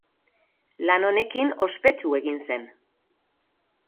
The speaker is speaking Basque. Lan honekin ospetsu egin zen.